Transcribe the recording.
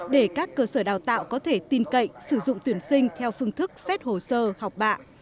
để các cơ sở đào tạo có thể tin cậy sử dụng tuyển sinh theo phương thức xét hồ sơ học bạ